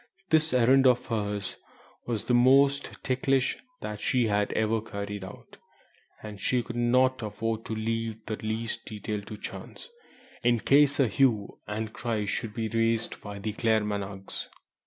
This errand of hers was the most ticklish she had ever carried out, and she could not afford to leave the least detail to chance, in case a hue and cry should be raised by the Claremanaghs.